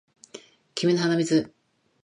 君の鼻水